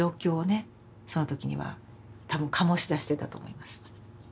その時には多分醸し出してたと思います。